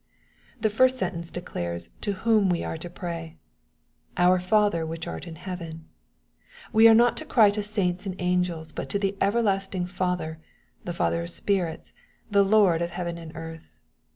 The first sentence declares to whom toe are to pray :" Our Father which art in heaven." We are not to cry to saints and angels, but to the everlasting Father, the Father of spirits, the Lord of heaven and earth.